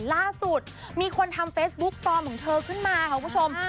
ล่าสุดมีคนทำเฟซบุ๊กปลอมของเธอขึ้นมาค่ะคุณผู้ชม